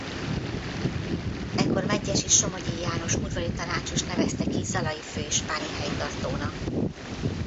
Ekkor medgyesi Somogyi János udvari tanácsost nevezte ki zalai főispáni helytartónak.